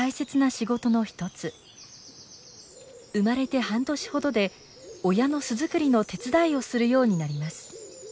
生まれて半年ほどで親の巣作りの手伝いをするようになります。